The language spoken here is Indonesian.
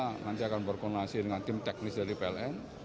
kita nanti akan berkoordinasi dengan tim teknis dari pln